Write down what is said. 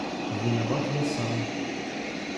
Виноват я сам.